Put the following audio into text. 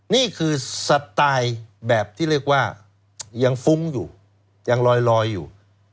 นี่คือสไตล์แบบที่เรียกว่ายังฟุ้งอยู่ยังลอยอยู่